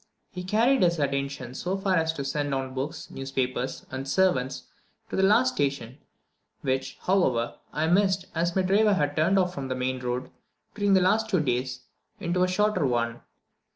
He carried his attentions so far as to send on books, newspapers, and servants, to the last station, which, however, I missed, as my driver had turned off from the main road, during the last two days, into a shorter one.